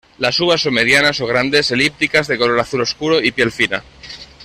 Las uvas son medianas o grandes, elípticas, de color azul oscuro y piel fina.